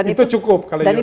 itu cukup kalau yuri ya